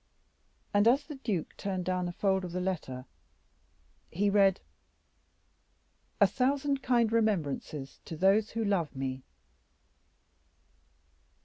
And as the duke turned down a fold of the letter, he read: "A thousand kind remembrances to those who love me."